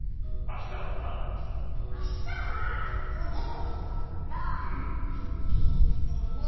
あしたはつぎのひだからえっとね